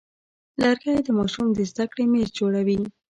لرګی د ماشوم د زده کړې میز جوړوي.